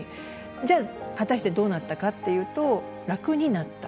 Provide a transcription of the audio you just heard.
じゃあ果たしてどうなったかっていうと楽になった。